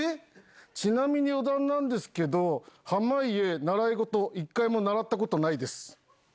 ちなみに余談なんですけど、濱家、習い事一回も習ったことないです。